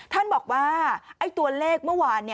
ท่านบอกว่าตัวเลขเมื่อวาน